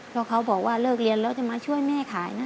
เพราะเขาบอกว่าเลิกเรียนแล้วจะมาช่วยแม่ขายนะ